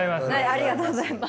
ありがとうございます。